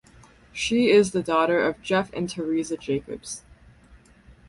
She is the daughter of Jeff and Teresa Jacobs.